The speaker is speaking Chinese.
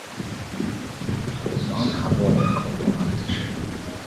芒塔洛人口变化图示